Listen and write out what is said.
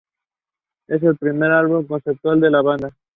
Es el primer álbum conceptual de la banda.